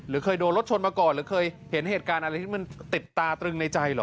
เคยโดนรถชนมาก่อนหรือเคยเห็นเหตุการณ์อะไรที่มันติดตาตรึงในใจเหรอ